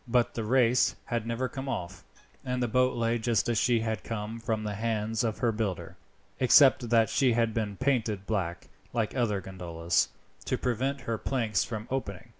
But the race had never come off, and the boat lay just as she had come from the hands of her builder, except that she had been painted black, like other gondolas, to prevent her planks from opening.